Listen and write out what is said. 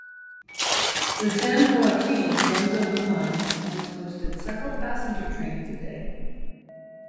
The "San Joaquin" runs over lines that once hosted several passenger trains a day.